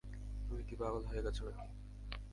তুমি কী পাগল হয়ে গেছো না-কি?